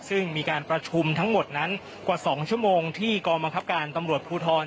ซึ่งมีการประชุมทั้งหมดนั้นกว่า๒ชั่วโมงที่กองบังคับการตำรวจภูทร